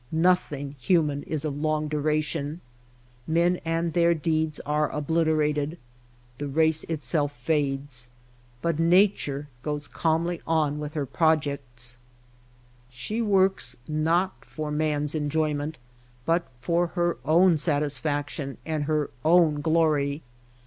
Nothing human is of long du ration. Men and their deeds are obliterated, the race itself fades ; but Nature goes calmly on with her projects. She works not for man^s enjoyment, but for her own satisfaction and her own glory.